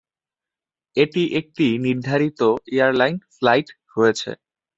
এটি একটি নির্ধারিত এয়ারলাইন ফ্লাইট রয়েছে।